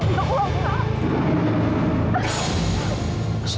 saudara gue aja gak pernah minta sama gue lu